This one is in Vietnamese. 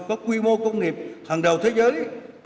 có quy mô công nghiệp hàng đầu thế giới